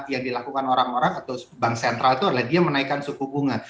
yang dilakukan orang orang atau bank sentral itu adalah dia menaikkan suku bunga